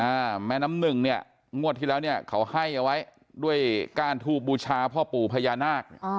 แม่น้ำหนึ่งเนี่ยงวดที่แล้วเนี่ยเขาให้เอาไว้ด้วยก้านทูบบูชาพ่อปู่พญานาคอ๋อ